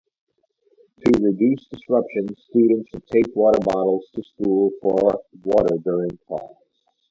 To reduce disruption, students should take water bottles to school for water during class.